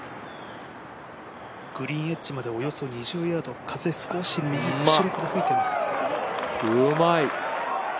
グリーンエッジまで、およそ２０ヤード、風、少し右後ろから吹いてます。